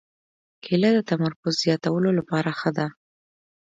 کېله د تمرکز زیاتولو لپاره ښه ده.